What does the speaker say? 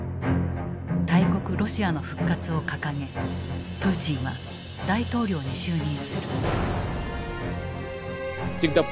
大国ロシアの復活を掲げプーチンは大統領に就任する。